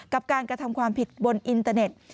กับการกระทำความผิดบนอินเตอร์เน็ต